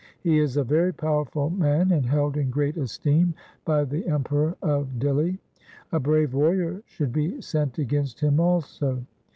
He is a very powerful man and held in great esteem by the Emperor of Dihli. A brave warrior should be sent against him also.